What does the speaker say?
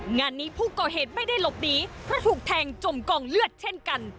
งานนี้ผู้ก่อเหตุไม่ได้หลบหนีเพราะถูกแทงจมกองเลือดเช่นกัน